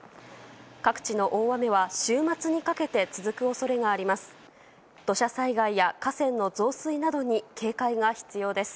各地の大雨は週末にかけて続く恐れがあります。